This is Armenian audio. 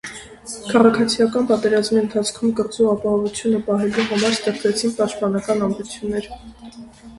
Քաղաքացիական պատերազմի ընթացքում կղզու ապահովությունը պահելու համար ստեղծվեցին պաշտպանական ամրություններ։